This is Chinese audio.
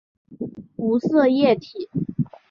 无色液体。